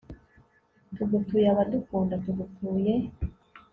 tugutuye abadukunda, tugutuye